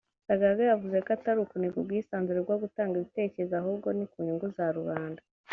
Sagaga yavuze ko atari ukuniga ubwisanzure bwo gutanga ibitekerezo ahubwo ni ku nyungu za rubanda